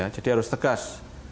jadi harus tegas